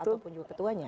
ataupun juga ketuanya